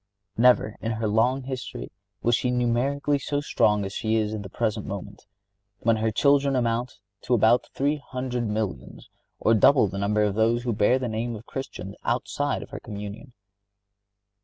Never, in her long history, was she numerically so strong as she is at the present moment, when her children amount to about three hundred millions, or double the number of those who bear the name of Christians outside of her communion.